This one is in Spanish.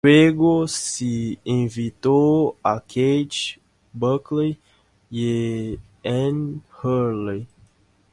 Luego se invitó a Keith Buckley y Andy Hurley.